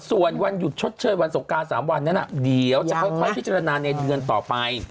ส่วนวันหยุดชดเชยวันสงการ๓วันนั้นเดี๋ยวจะค่อยพิจารณาในเดือนต่อไป